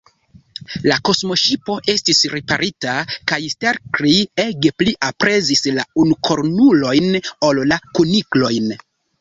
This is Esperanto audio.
La kosmoŝipo estis riparita, kaj Stelkri ege pli aprezis la unukornulojn ol la kuniklojn.